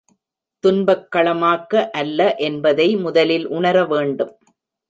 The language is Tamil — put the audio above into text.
துன்பக் களமாக்க அல்ல என்பதை முதலில் உணர வேண்டும்.